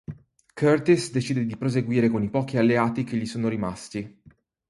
Curtis decide di proseguire con i pochi alleati che gli sono rimasti.